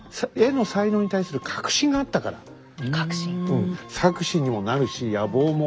うん。